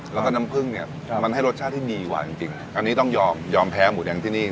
แล้วก็น้ำผึ้งเนี่ยมันให้รสชาติที่ดีกว่าจริงอันนี้ต้องยอมยอมแพ้หมูแดงที่นี่